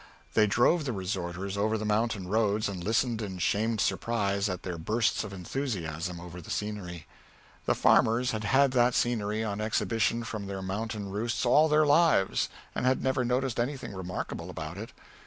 They drove the resorters over the mountain roads and listened in shamed surprise at their bursts of enthusiasm over the scenery. The farmers had had that scenery on exhibition from their mountain roosts all their lives, and had never noticed anything remarkable about it.